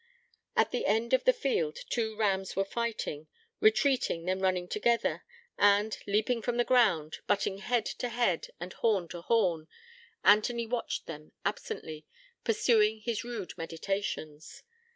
At the end of the field two rams were fighting; retreating, then running together, and, leaping from the ground, butting head to head and horn to horn. Anthony watched them absently, pursuing his rude meditations.